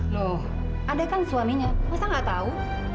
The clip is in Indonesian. loh ada kan suaminya masa nggak tahu